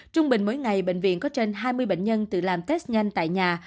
trung bình mỗi ngày bệnh viện có trên hai mươi bệnh nhân tự làm test nhanh tại nhà